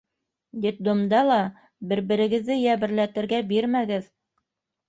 Детдомда ла бер-берегеҙҙе йәберләтергә бирмәгеҙ.